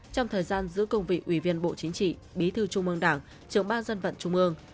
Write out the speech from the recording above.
trong thời gian giữ công vị ủy viên bộ chính trị bí thư trung mương đảng trưởng ban dân vận trung mương